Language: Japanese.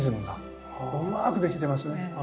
うまくできてますね。